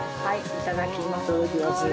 いただきます。